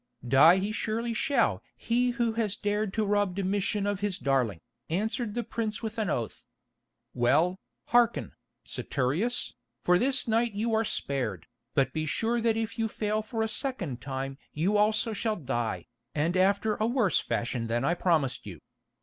"Die he surely shall be who has dared to rob Domitian of his darling," answered the prince with an oath. "Well, hearken, Saturius, for this night you are spared, but be sure that if you fail for the second time you also shall die, and after a worse fashion than I promised you.